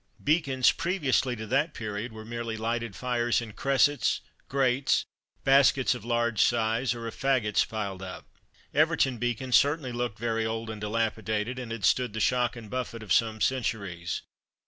Beacons, previously to that period, were merely lighted fires in cressets, grates, baskets of large size, or of faggots piled up. Everton Beacon certainly looked very old and dilapidated, and had stood the shock and buffet of some centuries.